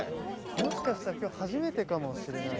もしかしたら今日初めてかもしれない。